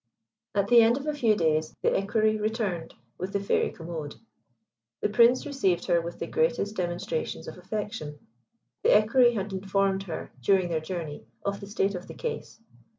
At the end of a few days the Equerry returned with the Fairy Commode. The Prince received her with the greatest demonstrations of affection. The Equerry had informed her during their journey of the state of the case.